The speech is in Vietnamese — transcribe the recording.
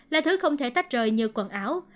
là thứ không thể tách rời như quần áo